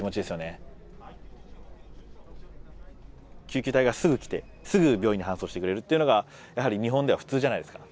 救急隊がすぐ来てすぐ病院に搬送してくれるっていうのがやはり日本では普通じゃないですか。